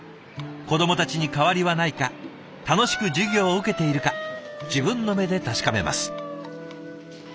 子どもたちに変わりはないか楽しく授業を受けているか自分の目で確かめます。